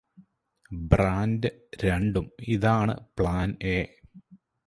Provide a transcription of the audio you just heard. brand രണ്ടും ഇതാണ് plan A